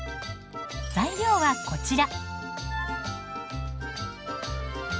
材料はこちら。